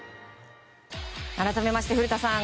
改めまして、古田さん